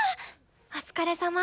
お疲れさま。